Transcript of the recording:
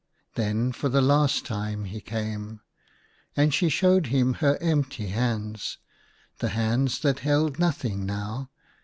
Then for the last time he came. And she showed him her empty hands, the hands that held nothing now.